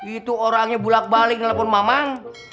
itu orangnya bulak balik nelfon mamang